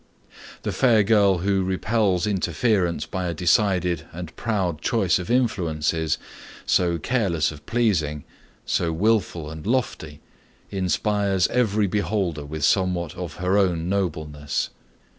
The fair girl who repels interference by a decided and proud choice of influences, so careless of pleasing, so wilful and lofty, inspires every beholder with somewhat of her own nobleness.